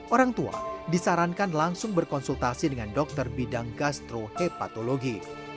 orang tua disarankan langsung berkonsultasi dengan dokter bidang gastrohepatologi